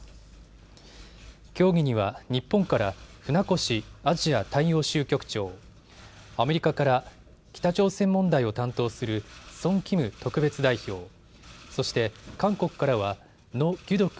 協議には日本から船越アジア大洋州局長、アメリカから北朝鮮問題を担当するソン・キム特別代表、そして韓国からはノ・ギュドク